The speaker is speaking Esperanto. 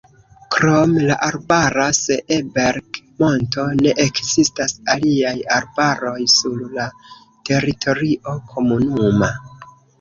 Krom la arbara Seeberg-monto ne ekzistas aliaj arbaroj sur la teritorio komunuma.